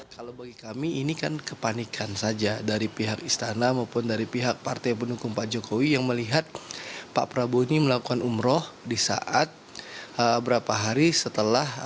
kalau bagi kami ini kan kepanikan saja dari pihak istana maupun dari pihak partai pendukung pak jokowi yang melihat pak prabowo ini melakukan umroh di saat berapa hari setelah